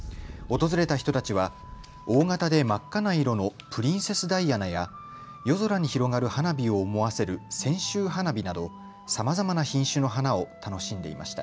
訪れた人たちは大型で真っ赤な色のプリンセスダイアナや夜空に広がる花火を思わせる千秋花火などさまざまな品種の花を楽しんでいました。